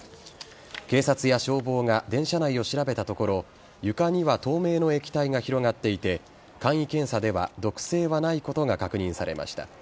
警察や消防が電車内を調べたところ床には透明の液体が広がっていて簡易検査では毒性はないことが確認されました。